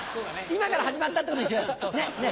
今から始まったってことにしよう。